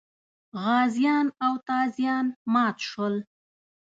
غازیان او تازیان مات شول.